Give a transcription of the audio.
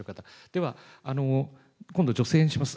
では、今度女性にします。